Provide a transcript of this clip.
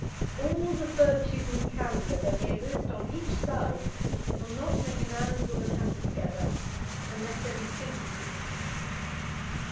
All the virtues in the calendar, though they exist on each side, will not make a man and woman happy together, unless there be sympathy.